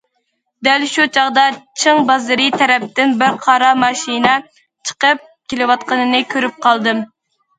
دەل شۇ چاغدا جىڭ بازىرى تەرەپتىن بىر قارا ماشىنا چىقىپ كېلىۋاتقىنىنى كۆرۈپ قالدىم.